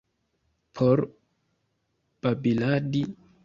Por babiladi?